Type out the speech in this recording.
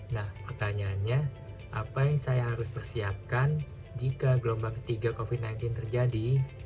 nah pertanyaannya apa yang saya harus persiapkan jika gelombang ketiga covid sembilan belas terjadi